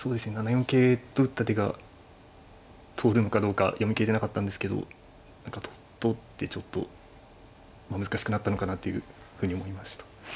７四桂と打った手が通るのかどうか読みきれてなかったんですけど何か通ってちょっとまあ難しくなったのかなっていうふうに思いました。